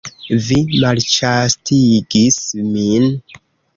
Vi malĉastigis min!